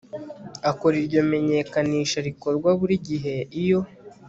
akora iryo menyekanisha rikorwa buri gihe iyo